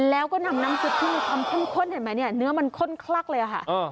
แล้วก็นำน้ำซุปที่มีความเข้มข้นเห็นไหมเนี่ยเนื้อมันข้นคลักเลยค่ะ